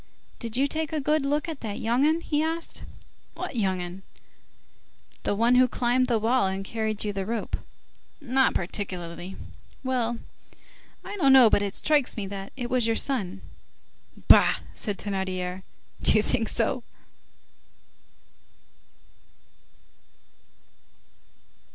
"Did you take a good look at that young 'un?" he asked. "What young 'un?" "The one who climbed the wall and carried you the rope." "Not particularly." "Well, I don't know, but it strikes me that it was your son." "Bah!" said Thénardier, "do you think so?"